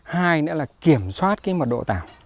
hai nữa là kiểm soát mật độ tảo